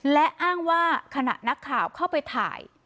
และอ้างว่าขณะนักข่าวเข้าไปถ่าย